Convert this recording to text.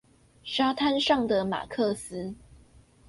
沙灘上的馬克思